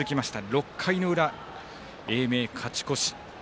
６回の裏英明、勝ち越し。